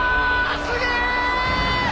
すげえ！